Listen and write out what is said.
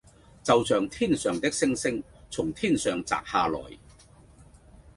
就像天上的星星從天上擲下來